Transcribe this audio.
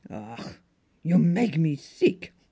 " Ach! You mage me sick!